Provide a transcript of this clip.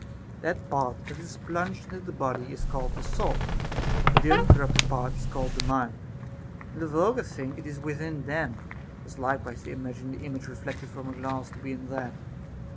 That part that is plunged into the body is called the soul, but the uncorrupted part is called the mind, and the vulgar think it is within them, as likewise they imagine the image reflected from a glass to be in that.